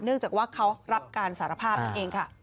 เนื่องจากว่าเขารับการสารภาพเองค่ะ